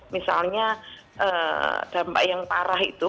misalnya dampak yang parah itu